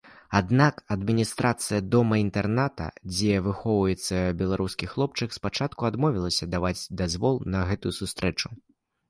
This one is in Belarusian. Аднак адміністрацыя дома-інтэрната, дзе выхоўваецца беларускі хлопчык, спачатку адмовілася даваць дазвол на гэтую сустрэчу.